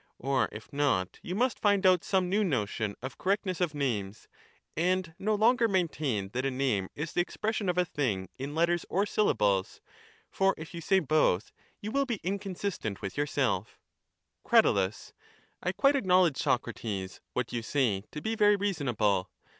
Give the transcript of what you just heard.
or if not, you must find out some new notion of cor rectness of names, and no longer maintain that a name is the expression of a thing in letters or syllables ; for if you say both, you will be inconsistent with your self. Crat. I quite acknowledge, Socrates, what you say to be very reasonable.